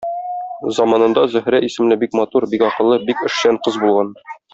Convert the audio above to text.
Заманында Зөһрә исемле бик матур, бик акыллы, бик эшчән кыз булган.